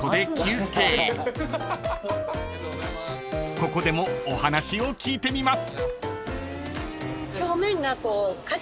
［ここでもお話を聞いてみます］